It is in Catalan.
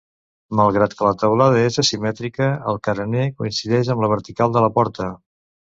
Malgrat que la teulada és asimètrica, el carener coincideix amb la vertical de la porta.